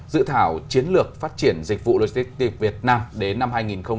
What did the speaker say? dự thảo chiến lược phát triển dịch vụ logistics việt nam đến năm hai nghìn ba mươi